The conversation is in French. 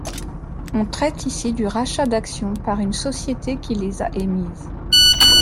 On traite ici du rachat d’actions par une société qui les a émises.